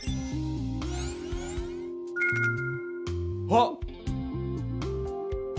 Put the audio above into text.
あっ！